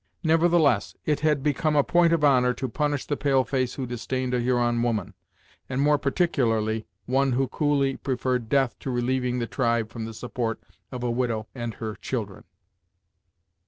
Nevertheless, it had become a point of honor to punish the pale face who disdained a Huron woman, and more particularly one who coolly preferred death to relieving the tribe from the support of a widow and her children.